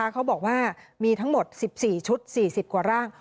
เขาบอกว่ามีทั้งหมด๑๔ชุด๔๐กว่าร่าง